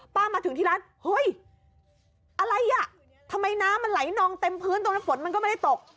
มาถึงที่ร้านเฮ้ยอะไรอ่ะทำไมน้ำมันไหลนองเต็มพื้นตรงนั้นฝนมันก็ไม่ได้ตก